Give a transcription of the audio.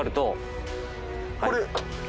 これ。